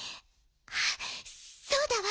あっそうだわ。